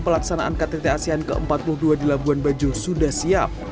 pelaksanaan ktt asean ke empat puluh dua di labuan bajo sudah siap